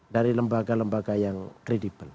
dari lembaga lembaga yang kredibel